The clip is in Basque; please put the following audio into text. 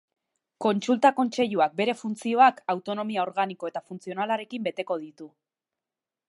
Kontsulta Kontseiluak, bere funtzioak, autonomia organiko eta funtzionalarekin beteko ditu.